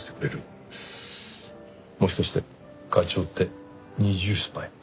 もしかして課長って二重スパイ？